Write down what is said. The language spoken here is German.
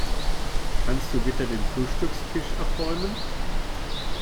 Kannst du bitte den Frühstückstisch abräumen?